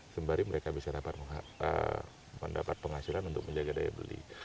sembari mereka bisa dapat penghasilan untuk menjaga daya beli